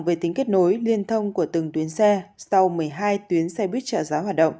về tính kết nối liên thông của từng tuyến xe sau một mươi hai tuyến xe buýt trợ giá hoạt động